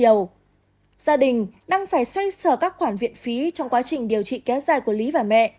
nhiều gia đình đang phải xoay sở các khoản viện phí trong quá trình điều trị kéo dài của lý và mẹ